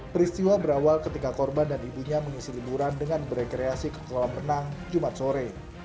peristiwa berawal ketika korban dan ibunya mengisi liburan dengan berekreasi ke kolam renang jumat sore